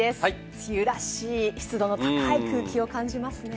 梅雨らしい湿度の高い空気を感じますね。